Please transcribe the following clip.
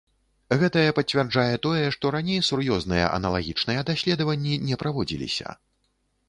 Гэтае пацвярджае тое, што раней сур'ёзныя аналагічныя даследаванні не праводзіліся.